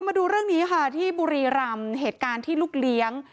มาดูเรื่องนี้ค่ะที่บุรีรำเหตุการณ์ที่ลูกเลี้ยง